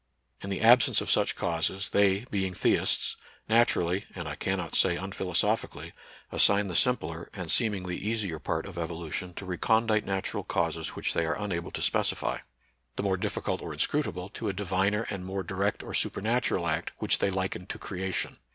In the absence of such causes, they, being theists, naturally (and I cannot say unphilo sophically) assign the simpler and seemingly 80 NATURAL SCIENCE AND RELIGION. easier part of evolution to recondite natural causes which they are unable to specify, the more difficult or inscrutable to a diviner and more direct or supernatural act, which they liken to creation.